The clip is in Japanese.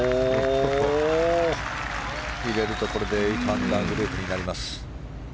入れるとこれで８アンダーグループになります。